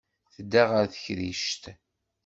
Tedda ɣer tekrict.